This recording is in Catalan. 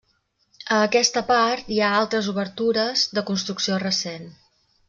A aquesta part hi ha altres obertures de construcció recent.